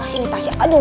sini sini sini sedang